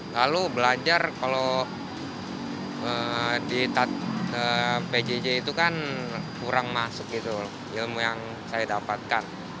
lalu belajar kalau di pjj itu kan kurang masuk gitu ilmu yang saya dapatkan